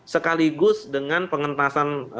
sekaligus dengan pengentasan